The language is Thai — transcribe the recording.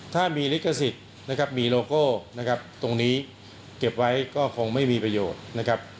ถ้ามีลิขสิทธิ์มีโลโก้ตรงนี้เก็บไว้ก็คงไม่มีประโยชน์นะครับ